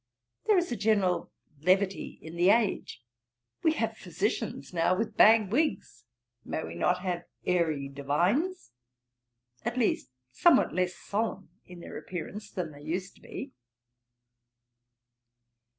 There is a general levity in the age. We have physicians now with bag wigs; may we not have airy divines, at least somewhat less solemn in their appearance than they used to be?'